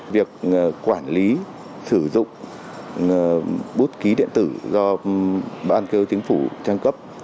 việc quản lý sử dụng bút ký điện tử do ban kêu chính phủ trang cấp